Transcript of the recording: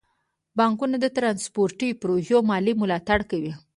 بانکونه د ترانسپورتي پروژو مالي ملاتړ کوي.